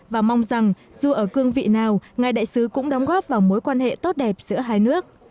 và mong rằng dù ở cương vị nào ngài đại sứ cũng đóng góp vào mối quan hệ tốt đẹp giữa hai nước